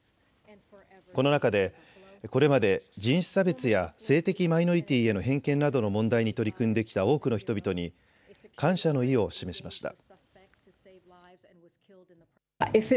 この中でこれまで人種差別や性的マイノリティーへの偏見などの問題に取り組んできた多くの人々に感謝の意を示しました。